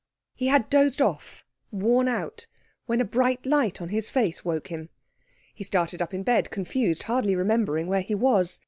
He had dozed off, worn out, when a bright light on his face woke him. He started up in bed, confused, hardly remembering where he was.